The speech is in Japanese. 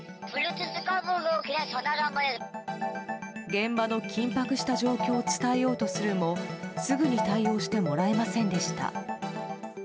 現場の緊迫した状況を伝えようとするもすぐに対応してもらえませんでした。